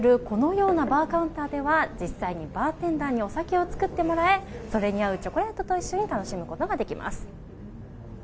このようなバーカウンターでは実際にバーテンダーにお酒を作ってもらえそれに合うチョコレートと一緒に楽しむことができます。